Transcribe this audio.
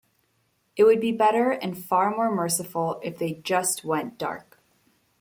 It would be better, and far more merciful, if they just went dark.